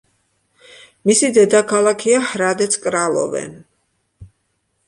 მისი დედაქალაქია ჰრადეც-კრალოვე.